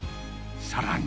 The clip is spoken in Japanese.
さらに。